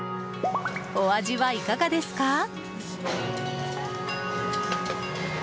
お味はいかがですか？